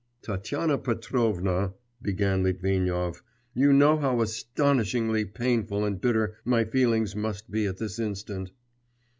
'Tatyana Petrovna,' began Litvinov, 'you know how agonisingly painful and bitter my feelings must be at this instant.